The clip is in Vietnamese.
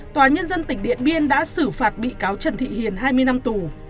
tòa nhân dân tỉnh điện biên đã xử phạt bị cáo trần thị hiền hai mươi năm tù